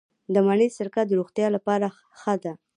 د مڼې سرکه د روغتیا لپاره ښه ده.